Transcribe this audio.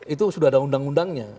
itu sudah ada undang undangnya